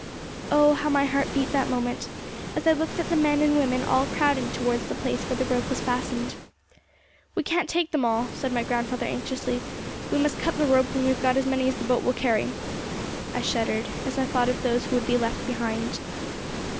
Oh! how my heart beat that moment, as I looked at the men and women all crowding towards the place where the rope was fastened. 'We can't take them all,' said my grandfather anxiously; 'we must cut the rope when we've got as many as the boat will carry.' I shuddered, as I thought of those who would be left behind.